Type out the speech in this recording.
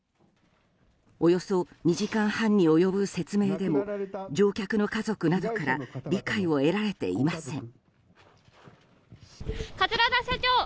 およそ２時間半に及ぶ説明でも乗客の家族などから理解を得られていません。